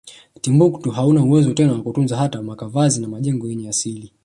Timbuktu hauna uwezo tena wakutunza hata makavazi na majengo yake ya asili